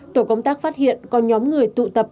tổ công tác phát hiện có nhóm người tụ tập